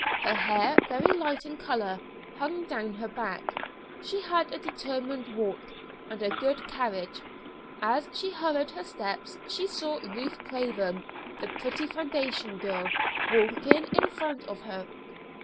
Her hair, very light in colour, hung down her back. She had a determined walk and a good carriage. As she hurried her steps she saw Ruth Craven, the pretty foundation girl, walking in front of her.